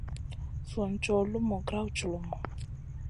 Sùn cow lumu grawd culumu.